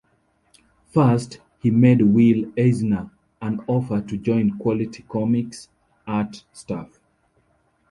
First, he made Will Eisner an offer to join Quality Comics' art staff.